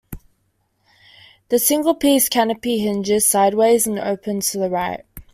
The single-piece canopy hinges sideways and opens to the right.